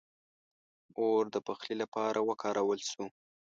• اور د پخلي لپاره وکارول شو.